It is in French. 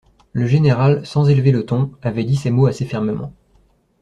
Le général, sans élever le ton, avait dit ces mots assez fermement.